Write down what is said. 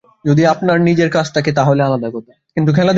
যদি আপনার নিজের কাজ থাকে, তা হলে আলাদা কথা।